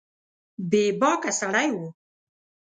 بې باکه سړی و